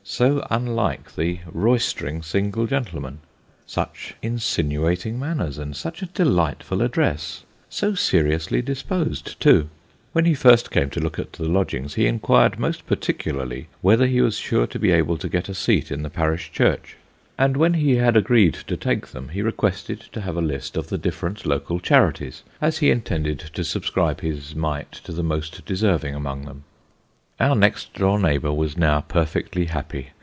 So unlike the roystering single gentleman. Such insinuating manners, and such a delightful address ! So seriously disposed, too ! When he first came to look at the lodgings, he inquired most particularly whether he was sure to be able to get a seat in the parish church ; and when he had agreed to take them, he requested to have a list of the different local charities, as he intended to subscribe his mite to the most deserving among them. Our next door neighbour was now perfectly happy.